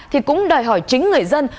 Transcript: thì cũng đòi hỏi chính người dân